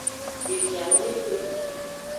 Devi amene.